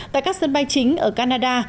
tại các sân bay chính ở canada